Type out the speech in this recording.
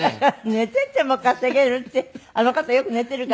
寝ていても稼げるってあの方よく寝ているから？